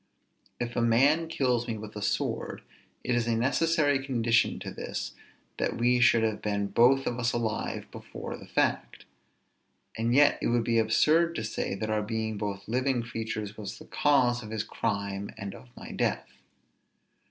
If a man kills me with a sword, it is a necessary condition to this that we should have been both of us alive before the fact; and yet it would be absurd to say that our being both living creatures was the cause of his crime and of my death.